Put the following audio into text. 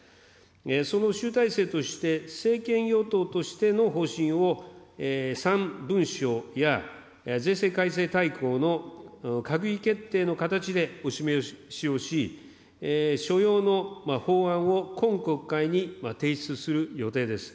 その集大成として政権与党としての方針を３文書や、税制改正大綱の閣議決定の形でお示しをし、所要の法案を今国会に提出する予定です。